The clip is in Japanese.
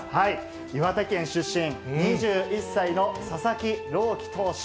岩手県出身、２１歳の佐々木朗希投手。